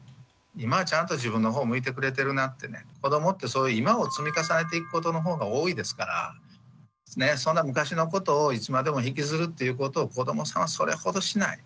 今はちゃんと自分の方を向いてくれてるなってね子どもって今を積み重ねていくことの方が多いですからそんな昔のことをいつまでも引きずるっていうことを子どもさんはそれほどしない。